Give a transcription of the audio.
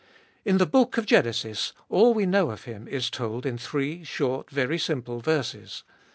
In the Book of Genesis all we know of him is told in three short, very simple verses.